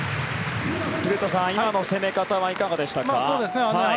古田さん、今の攻め方はいかがでしたか？